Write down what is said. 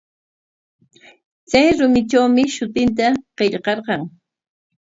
Chay rumitrawmi shutinta qillqarqan.